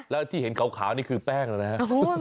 แล้วที่เห็นขาวนี่คือแป้งแล้วนะฮะ